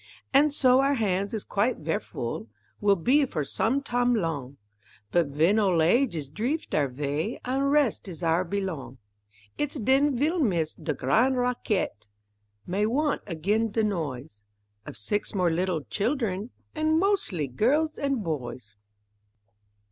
An' so our hands is quite ver' full, Will be, for som' tam' long, But ven old age is dreeft our vay An' rest is our belong, It's den ve'll miss de gran' rac_quette_, May want again de noise Of six more little children An' mos'ly girls and boys.